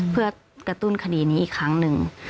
เพื่อกระตุ้นคดีนี้อีกครั้งหนึ่ง